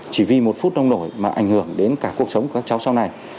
chỉ vì một phút đông nổi mà ảnh hưởng đến cả cuộc sống của các cháu sau này